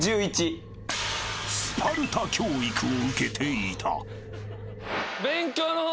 ［スパルタ教育を受けていた］